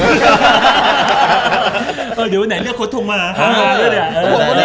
เออเดี๋ยวไหนเนี่ยคดทงมา